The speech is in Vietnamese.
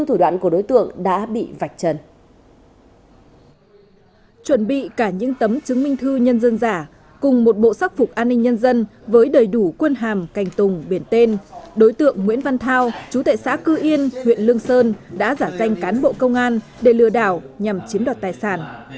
trên đời đủ quân hàm cành tùng biển tên đối tượng nguyễn văn thao chú tệ xã cư yên huyện lương sơn đã giả danh cán bộ công an để lừa đảo nhằm chiếm đoạt tài sản